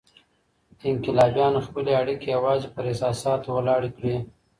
انقلابيانو خپلي اړيکې يوازي پر احساساتو ولاړې کړې.